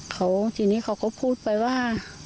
เขาทีนี้เขาก็พูดไปว่า